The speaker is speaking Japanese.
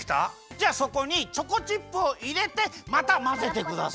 じゃあそこにチョコチップをいれてまたまぜてください。